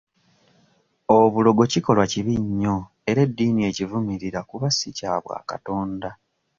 Obulogo kikolwa kibi nnyo era eddiini ekivumirira kuba si kya bwakatonda.